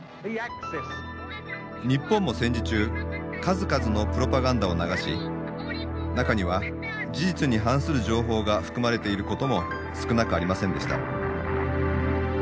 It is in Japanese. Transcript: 日本も戦時中数々のプロパガンダを流し中には事実に反する情報が含まれていることも少なくありませんでした。